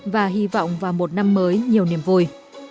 và hy vọng vào một năm mới nhiều niềm vui